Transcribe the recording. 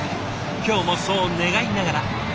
今日もそう願いながら。